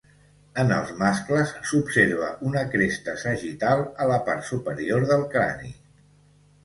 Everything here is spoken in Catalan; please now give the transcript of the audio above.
En els mascles s'observa una cresta sagital a la part superior del crani.